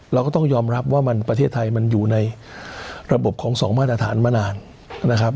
เราก็ต้องยอมรับว่าประเทศไทยมันอยู่ในระบบของสองมาตรฐานมานานนะครับ